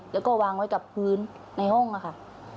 แล้วก็วางไว้กับพื้นในห้องค่ะ